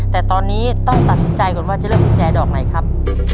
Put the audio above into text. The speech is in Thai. แต่ตอนนี้ต้องตัดสินใจก่อนว่าจะเลือกกุญแจดอกไหนครับ